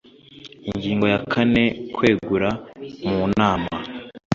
Ingingo ya kane Kwegura mu nama